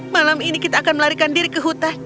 malam ini kita akan melarikan diri ke hutan